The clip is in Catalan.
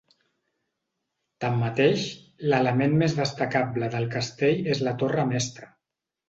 Tanmateix, l'element més destacable del castell és la torre mestra.